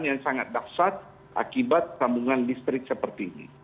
yang sangat dasar akibat sambungan listrik seperti ini